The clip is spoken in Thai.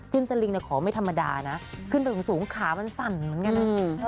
ขึ้นสลิงก็ไม่ธรรมดาขึ้นไปของสูงขามันสั่นเหมือนกัน